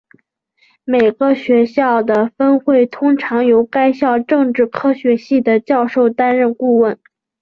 每个学校的分会通常由该校政治科学系的教授担任顾问。